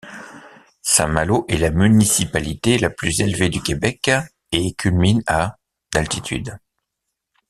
Saint-Malo est la municipalité la plus élevée du Québec et culmine à d'altitude.